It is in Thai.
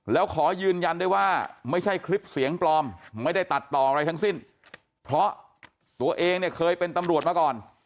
แล้วขอยืนยันได้ว่าไม่ใช่คลิปเสียงปลอมไม่ได้ตัดต่ออะไรทั้งสิ้นเพราะตัวเองเนี่ยเคยเป็นตำรวจมาก่อน